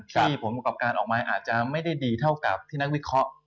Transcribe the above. ผลประกอบการออกมาอาจจะไม่ได้ดีเท่ากับที่นักวิเคราะห์